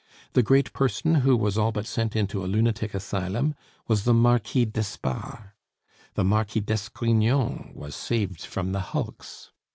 The great person who was all but sent into a lunatic asylum was the Marquis d'Espard. The Marquis d'Esgrignon was saved from the hulks.